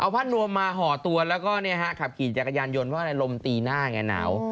ผ้านวมมาห่อตัวแล้วก็ขับขี่จักรยานยนต์เพราะอะไรลมตีหน้าไงหนาว